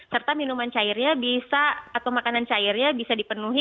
serta minuman cairnya bisa atau makanan cairnya bisa dipenuhi